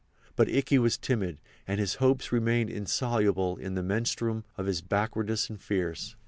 But Ikey was timid, and his hopes remained insoluble in the menstruum of his backwardness and fears.